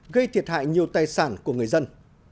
gây thiệt hại nhiều tài sản của người dân